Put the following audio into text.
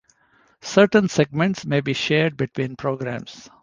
Certain segments may be shared between programs.